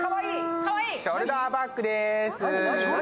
ショルダーバッグです。